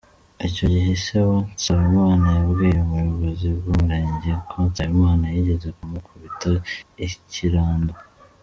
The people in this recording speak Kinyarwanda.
Icyo gihe ise wa Nsabimana yabwiye ubuyobozi bw’ umurenge ko Nsabimana yigeze kumukubita ikirando.